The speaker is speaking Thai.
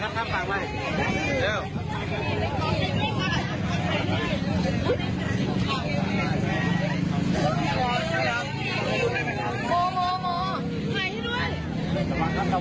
ลุงมาถ่ายรูปหน่อยได้ไหม